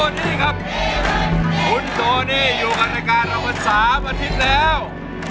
คุณโทนี่ครับคุณโทนี่อยู่กับณการเราอาทิตย์แล้ว